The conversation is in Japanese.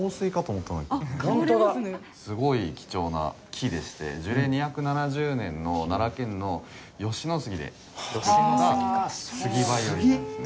すごい貴重な木でして樹齢２７０年の奈良県の吉野杉で作ったスギヴァイオリンなんですね。